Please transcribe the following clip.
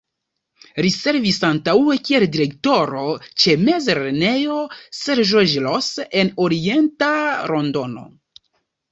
Li servis antaŭe kiel Direktoro ĉe Mezlernejo Sir George Ross en orienta Londono.